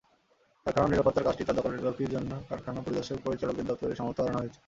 কারখানার নিরাপত্তার কাজটি তদারকির জন্য কারখানা পরিদর্শক পরিচালকের দপ্তরে সামর্থ্য বাড়ানো হয়েছে।